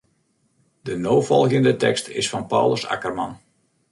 De no folgjende tekst is fan Paulus Akkerman.